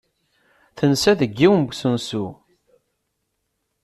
Tensa deg yiwen n usensu.